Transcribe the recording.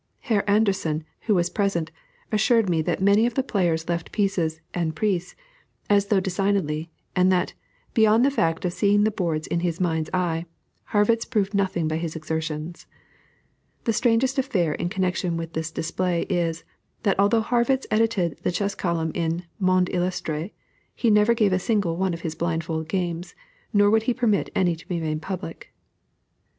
Herr Anderssen, who was present, assured me that many of the players left pieces en prise, as though designedly, and that, beyond the fact of seeing the boards in his mind's eye, Harrwitz proved nothing by his exertions. The strangest affair in connection with this display is, that although Harrwitz edited a chess column in the Monde Illustré he never gave a single one of his blindfold games, nor would he permit any to be made public.